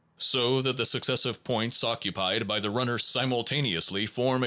So that the successive points occupied by the runners simultane 1 I follow here J.